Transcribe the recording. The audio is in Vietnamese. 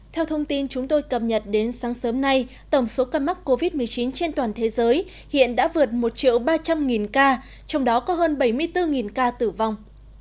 theo thông tin chúng tôi cập nhật đến sáng sớm nay tổng số ca mắc covid một mươi chín trên toàn thế giới hiện đã vượt một ba trăm linh ca trong đó có hơn bảy mươi bốn ca tử vong